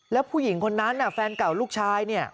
แล้วผู้หญิงคนนั้นแฟนเก่าลูกชายเนี่ย